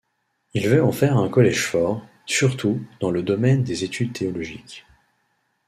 Il veut en faire un collège ‘fort’ surtout dans le domaine des études théologiques.